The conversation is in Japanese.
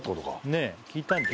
ねぇ聞いたんだ。